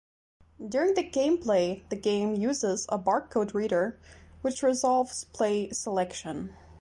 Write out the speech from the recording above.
During gameplay the game uses a barcode reader which resolves play selection.